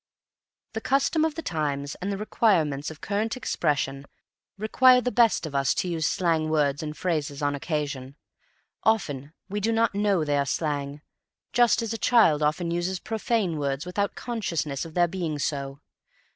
The custom of the times and the requirements of current expression require the best of us to use slang words and phrases on occasions. Often we do not know they are slang, just as a child often uses profane words without consciousness of their being so.